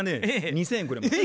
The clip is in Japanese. ２，０００円くれます。